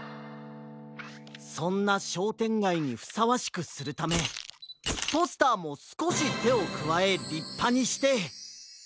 そんなしょうてんがいにふさわしくするためポスターもすこしてをくわえりっぱにして。